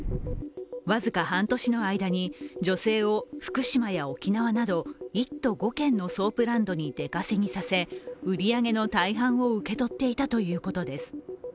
僅か半年の間に女性を、福島や沖縄など、１都５県のソープランドに出稼ぎさせ売り上げの大半を受け取っていたということです。